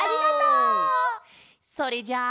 それじゃあ。